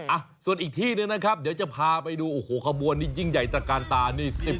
อ่ะส่วนอีกที่หนึ่งนะครับเดี๋ยวจะพาไปดูโอ้โหขบวนนี้ยิ่งใหญ่ตระกาลตานี่